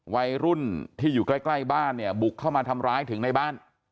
วัยรุ่นที่อยู่ใกล้บ้านเนี่ยบุกเข้ามาทำร้ายถึงในบ้าน